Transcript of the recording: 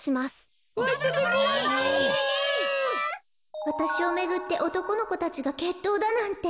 こころのこえわたしをめぐっておとこのこたちがけっとうだなんて。